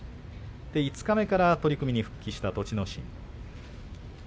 五日目から取組に復帰した栃ノ心。